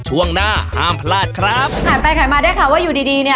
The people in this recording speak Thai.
ช่วงหน้าห้ามพลาดครับขายไปขายมาได้ค่ะว่าอยู่ดีดีเนี้ย